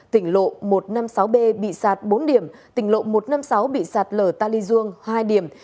tỉnh lộ một trăm năm mươi sáu b bị sạt bốn điểm tỉnh lộ một trăm năm mươi sáu bị sạt lở ta luy dương hai điểm